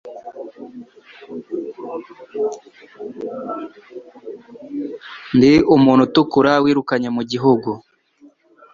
Ndi umuntu utukura wirukanye mu gihugu,